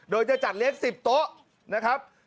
โดยจะจัดเลี้ยง๑๐โต๊ะนะครับ